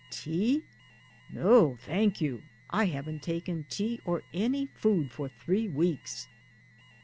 " Tea? No, thank you, I haven't taken tea or any food for three weeks."